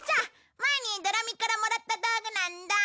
前にドラミからもらった道具なんだ。